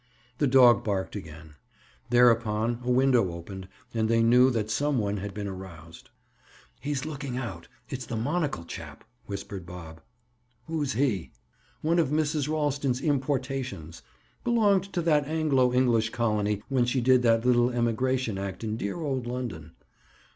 The dog barked again. Thereupon, a window opened and they knew that some one had been aroused. "He's looking out. It's the monocle chap," whispered Bob. "Who's he?" "One of Mrs. Ralston's importations. Belonged to that Anglo English colony when she did that little emigration act in dear old London."